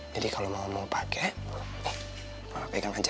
jadi kalo mama mau pake mama pegang aja